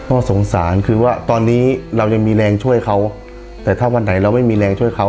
ก็สงสารคือว่าตอนนี้เรายังมีแรงช่วยเขาแต่ถ้าวันไหนเราไม่มีแรงช่วยเขา